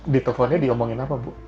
di teleponnya diomongin apa bu